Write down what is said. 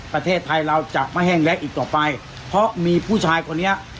ประเทศไทยเราจะไม่แห้งแรงอีกต่อไปเพราะมีผู้ชายคนนี้